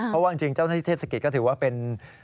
เพราะว่าจริงเจ้าหน้าที่เทศกิจก็ถือว่าเป็น